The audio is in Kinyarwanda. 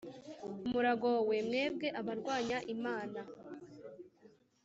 Muragowe, mwebwe abarwanya Imana,